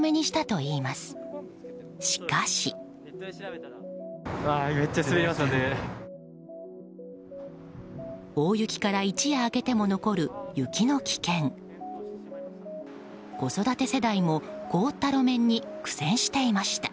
しかし。